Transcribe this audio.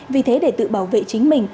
vì thế để tự bảo vệ chính mình